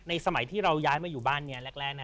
ในสมัยที่เราย้ายมาอยู่บ้านเนี่ยแรก